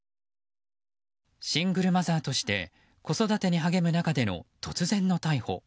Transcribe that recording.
シングルマザーとして子育てに励む中での突然の逮捕。